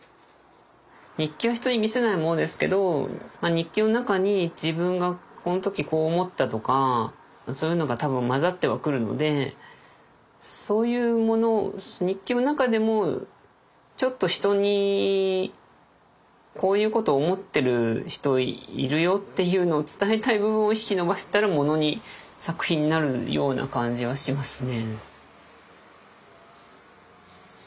日記は人に見せないものですけど日記の中に「自分がこの時こう思った」とかそういうのが多分混ざってはくるのでそういうものを日記の中でもちょっと人に「こういうことを思ってる人いるよ」っていうのを伝えたい部分を引き伸ばしたらものに作品になるような感じはしますね。